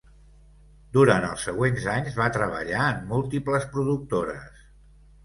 Durant els següents anys va treballar en múltiples productores.